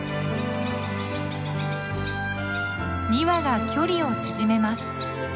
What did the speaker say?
２羽が距離を縮めます。